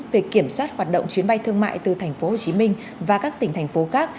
về kiểm soát hoạt động chuyến bay thương mại từ tp hcm và các tỉnh thành phố khác